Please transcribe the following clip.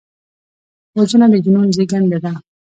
وژنه د جنون زیږنده ده